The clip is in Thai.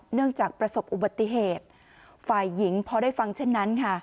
เนื่องจากประสบอุบัติเหตุฝ่ายหญิงพอได้ฟังเช่นนั้นค่ะ